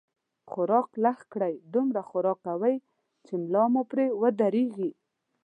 خوراک لږ کړئ، دومره خوراک کوئ، چې ملا مو پرې ودرېږي